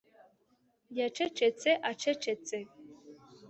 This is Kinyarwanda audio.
Yacecetse acecetse